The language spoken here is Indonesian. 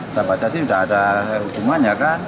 saya baca sih sudah ada hukumannya kan